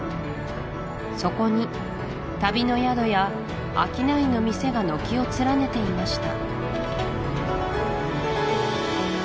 そこに旅の宿や商いの店が軒を連ねていました